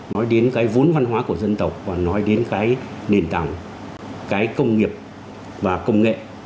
nói đến cái vốn văn hóa của dân tộc và nói đến cái nền tảng cái công nghiệp và công nghệ